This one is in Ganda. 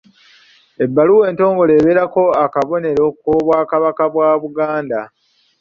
Ebbaluwa entongole ebeerako akabonero k’Obwakabaka bwa Buganda.